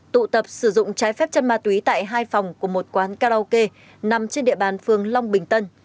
tụ tập sử dụng trái phép chân ma túy tại hai phòng của một quán karaoke nằm trên địa bàn phường long bình tân